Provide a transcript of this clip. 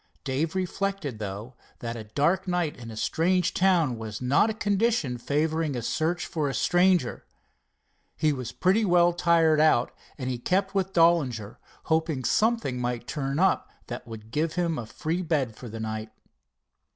Dave reflected, though, that a dark night in a strange town was not a condition favoring a search for a stranger. He was pretty well tired out, and he kept with Dollinger, hoping something might turn up that would give him a free bed for the night.